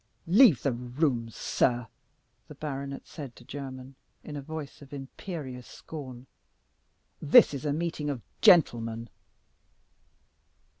"Leave the room, sir!" the baronet said to Jermyn, in a voice of imperious scorn. "This is a meeting of gentlemen."